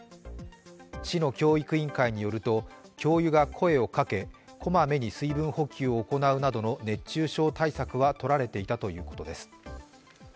市の教育委員会によると教諭が声をかけこまめに水分補給を行うなどの熱中症対策は取られていたということです。